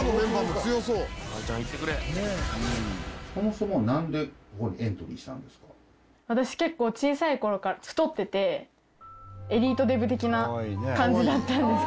そもそも私結構小さい頃から太っててエリートデブ的な感じだったんですけど。